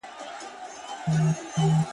• چي به ښكار د كوم يو سر خولې ته نژدې سو,